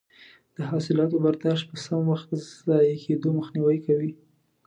د حاصلاتو برداشت په سم وخت د ضایع کیدو مخنیوی کوي.